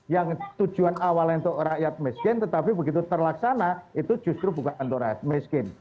yang tujuan awalnya untuk rakyat miskin tetapi begitu terlaksana itu justru bukan untuk rakyat miskin